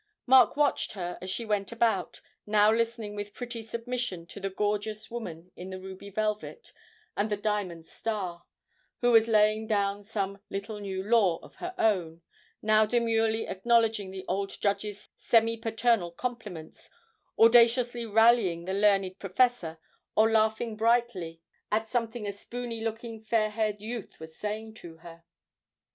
Mark watched her as she went about, now listening with pretty submission to the gorgeous woman in the ruby velvet and the diamond star, who was laying down some 'little new law' of her own, now demurely acknowledging the old judge's semi paternal compliments, audaciously rallying the learned professor, or laughing brightly at something a spoony looking, fair haired youth was saying to her.